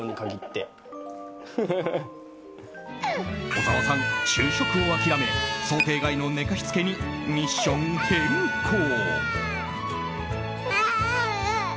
小澤さん、昼食を諦め想定外の寝かしつけにミッション変更。